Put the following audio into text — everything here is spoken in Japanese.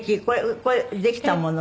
これできたもの？